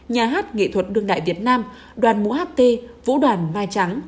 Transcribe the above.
nhà hát nghệ thuật đương đại việt nam đoàn mũ ht vũ đoàn mai trắng